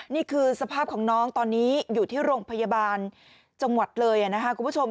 นี่คือสภาพของน้องตอนนี้อยู่ที่โรงพยาบาลจังหวัดเลยนะครับคุณผู้ชม